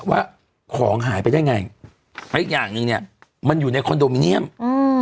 ว่าของหายไปได้ไงและอีกอย่างหนึ่งเนี้ยมันอยู่ในคอนโดมิเนียมอืม